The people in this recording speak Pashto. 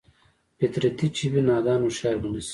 فطرتي چې وي نادان هوښيار به نشي